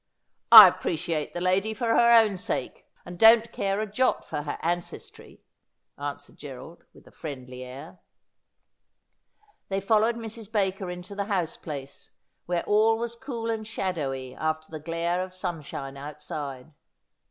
' I appreciate the lady for her own sake, and don't care a jot for her ancestry,' answered Gerald, with a friendly air. They followed Mrs. Baker into the house place, where all was cool and shadowy after the glare of sunshine outside.